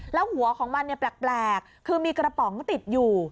แล้วหัวของมันแปลกคือมีกระป๋องติดอยู่